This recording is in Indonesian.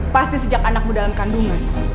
pasti sejak anakmu dalam kandungan